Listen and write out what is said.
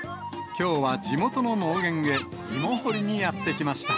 きょうは地元の農園へ、芋掘りにやって来ました。